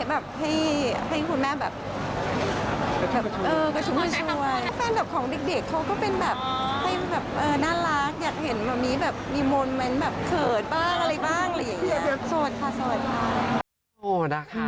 แบบให้คุณแม่แบบกระชุมช่วย